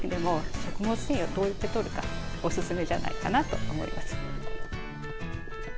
食物繊維をどうやってとるかおすすめじゃないかなと思います。